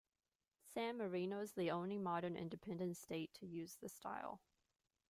San Marino is the only modern independent state to use the style.